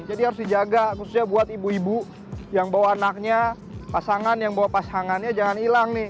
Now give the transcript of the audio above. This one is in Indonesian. jadi harus dijaga khususnya buat ibu ibu yang bawa anaknya pasangan yang bawa pasangannya jangan hilang nih